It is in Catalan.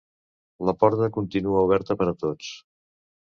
La porta continua oberta per a tots.